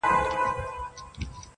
پر هر ځای چي ټولۍ وینی د پوهانو-